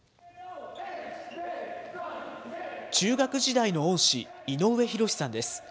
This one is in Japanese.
中学時代の恩師、井上博さんです。